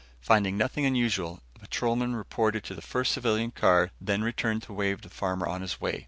Finding nothing unusual, a patrolman reported to the first civilian car then returned to wave the farmer on his way.